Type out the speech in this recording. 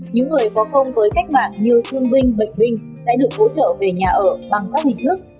những người có công với cách mạng như thương binh bệnh binh sẽ được hỗ trợ về nhà ở bằng các hình thức